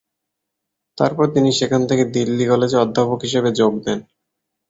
তারপর তিনি সেখান থেকে দিল্লি কলেজে অধ্যাপক হিসেবে যোগ দেন।